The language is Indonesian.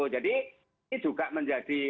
jadi ini juga menjadi